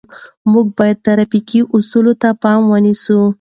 موږ باید د ترافیکو اصول په پام کې ونیسو.